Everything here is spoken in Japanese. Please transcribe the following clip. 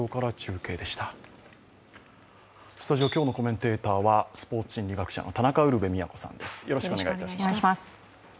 スタジオ、今日のコメンテーターはスポーツ心理学者の田中ウルヴェ京さんです。